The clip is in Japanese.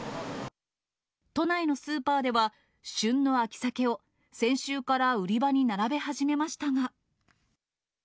都内のスーパーでは、旬の秋サケを先週から売り場に並べ始めましたが。